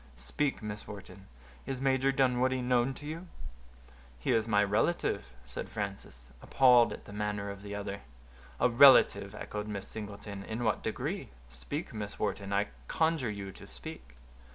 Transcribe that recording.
"Speak, Miss Wharton; is Major Dunwoodie known to you?" "He is my relative," said Frances, appalled at the manner of the other. "A relative!" echoed Miss Singleton; "in what degree?—speak, Miss Wharton, I conjure you to speak."